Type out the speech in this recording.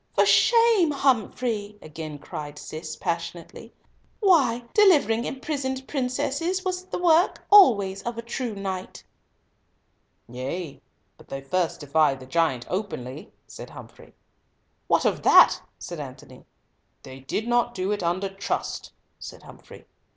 "For shame, Humfrey," again cried Cis, passionately. "Why, delivering imprisoned princesses always was the work of a true knight." "Yea; but they first defied the giant openly," said Humfrey. "What of that?" said Antony. "They did not do it under trust," said Humfrey.